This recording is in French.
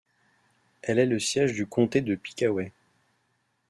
Elle est le siège du comté de Pickaway.